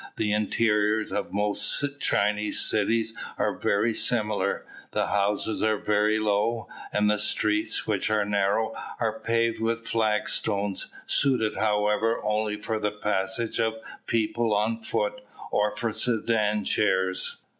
The interiors of most Chinese cities are also very similar. The houses are very low, and the streets, which are narrow, are paved with flag stones, suited however only for the passage of people on foot, or for sedan chairs.